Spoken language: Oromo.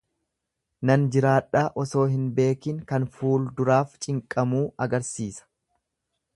Nan jiraadhaa osoo hin beekiin kan fuulduraaf cinqamuu agarsiisa.